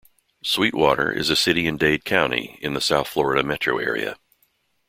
Sweetwater is a city in Dade County, in the South Florida metro area.